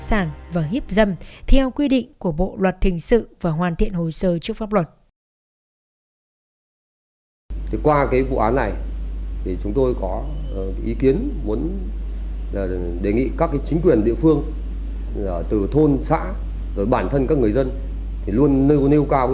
xin chào và hẹn gặp lại các bạn trong các bộ phim tiếp theo